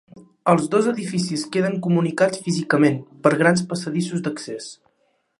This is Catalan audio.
Els dos edificis queden comunicats físicament per grans passadissos d'accés.